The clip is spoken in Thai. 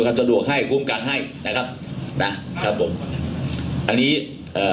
กสตรดวกให้ควมกังให้นะครับนะครับผมอันนี้เอ่อ